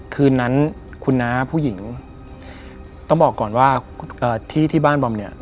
คืนนั้นคุณน้าผู้หญิงต้องบอกก่อนว่าที่บ้านบอมเนี่ย